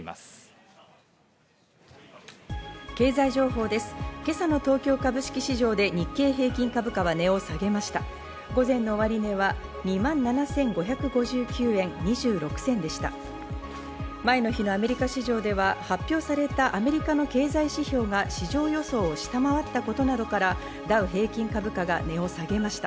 前の日のアメリカ市場では発表されたアメリカの経済指標が市場予想を下回ったことなどからダウ平均株価が値を下げました。